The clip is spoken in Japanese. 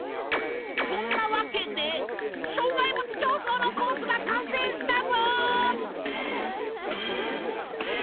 そんなわけで障害物競走のコースがかんせいしたぞ！